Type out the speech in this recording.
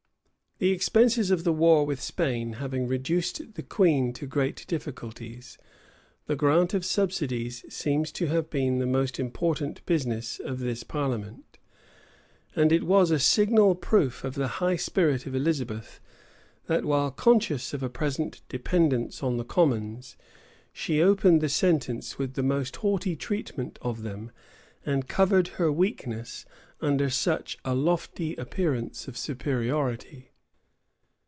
The expenses of the war with Spain having reduced the queen to great difficulties, the grant of subsidies seems to have been the most important business of this parliament; and it was a signal proof of the high spirit of Elizabeth, that, while conscious of a present dependence on the commons, she opened the session with the most haughty treatment of them and covered her weakness under such a lofty appearance of superiority.